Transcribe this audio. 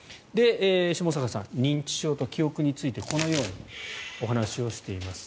下坂さん、認知症と記憶についてこのようにお話をしています。